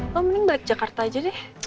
lo mending balik jakarta aja deh